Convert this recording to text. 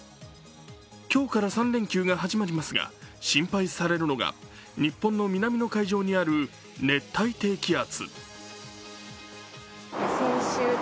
今日から３連休が始まりますが心配されるのが日本の南の海上にある熱帯低気圧。